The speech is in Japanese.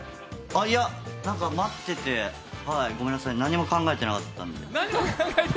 いや、なんか待っててごめんなさい、何も考えてなかったんで。